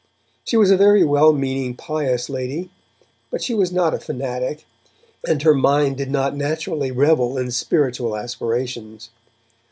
She was a very well meaning pious lady, but she was not a fanatic, and her mind did not naturally revel in spiritual aspirations.